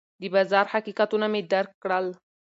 د بازار حقیقتونه مې درک کړل.